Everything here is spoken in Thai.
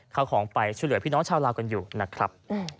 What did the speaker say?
เข้าของไปช่วยเหลือพี่น้องชาวลาวกันอยู่นะครับ